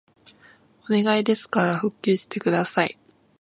お願いですから復旧してください